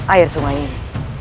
air sungai ini